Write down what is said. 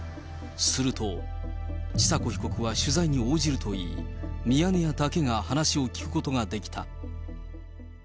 すると、千佐子被告は取材に応じるといい、ミヤネ屋だけが話しを聞くことができた。